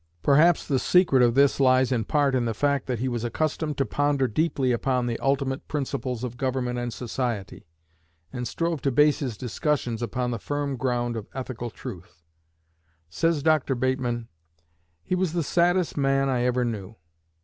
Perhaps the secret of this lies in part in the fact that he was accustomed to ponder deeply upon the ultimate principles of government and society, and strove to base his discussions upon the firm ground of ethical truth. Says Dr. Bateman, "He was the saddest man I ever knew."